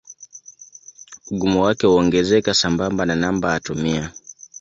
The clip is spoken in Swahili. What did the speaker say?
Ugumu wake huongezeka sambamba na namba atomia.